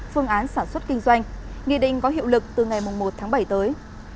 phương án sản xuất kinh doanh nghị định có hiệu lực từ ngày một tháng bảy tới